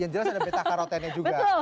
yang jelas ada betakarotene juga